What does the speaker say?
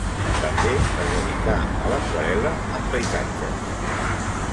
També es dedicà a l'aquarel·la, amb paisatges.